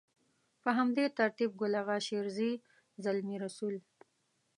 په همدې ترتيب ګل اغا شېرزي، زلمي رسول.